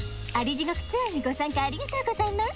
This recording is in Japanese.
蟻地獄ツアーにご参加ありがとうございます。